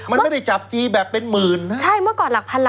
มันไม่ได้จับทีแบบเป็นหมื่นนะ